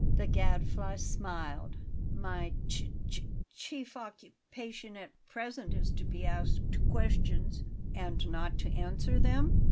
The Gadfly smiled. "My ch ch chief occupation at p p present is to be asked questions." "And not to answer them?